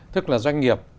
tức là doanh nghiệp